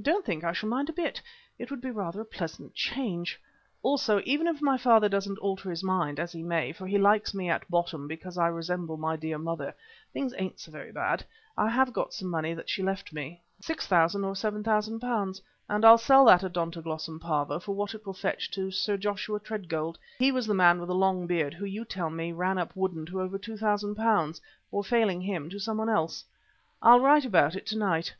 "Don't think I shall mind a bit; it would be rather a pleasant change. Also, even if my father doesn't alter his mind, as he may, for he likes me at bottom because I resemble my dear mother, things ain't so very bad. I have got some money that she left me, £6,000 or £7,000, and I'll sell that 'Odontoglossum Pavo' for what it will fetch to Sir Joshua Tredgold he was the man with the long beard who you tell me ran up Woodden to over £2,000 or failing him to someone else. I'll write about it to night.